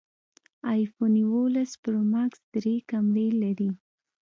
ایفون اوولس پرو ماکس درې کمرې لري